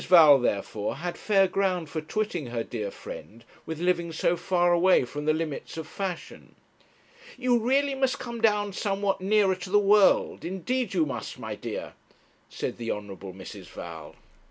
Val, therefore, had fair ground for twitting her dear friend with living so far away from the limits of fashion. 'You really must come down somewhat nearer to the world; indeed you must, my dear,' said the Hon. Mrs. Val.